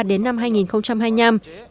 đến năm hai nghìn hai mươi năm